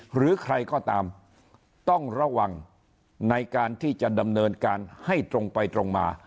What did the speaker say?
หรือใครก็ตามต้องระวังในการที่จะดำเนินการให้ตรงไปตรงมา